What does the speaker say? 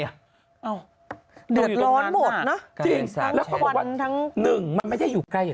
อ้าวเดือดร้อนหมดนะจริงแล้วก็บอกว่าหนึ่งมันไม่ได้อยู่ใกล้